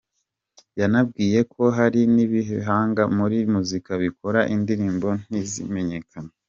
Yanababwiye ko hari n’ibihangange muri muzika bikora indirimbo ntizimenyekane.